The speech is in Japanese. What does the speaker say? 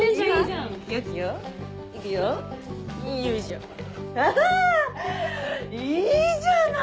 あいいじゃない！